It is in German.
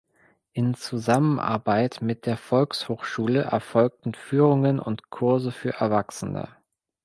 In Zusammenarbeit mit der Volkshochschule erfolgten Führungen und Kurse für Erwachsene.